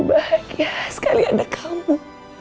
bahagia sekali ada kamu